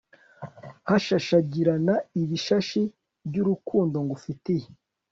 hashashagirana ibishashi byurukundo ngufitiye